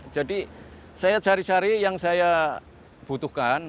jadi saya cari cari yang saya butuhkan